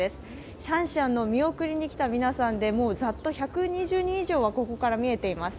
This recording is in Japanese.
シャンシャンの見送りに来た皆さんでざっと１２０人以上はここから見えています。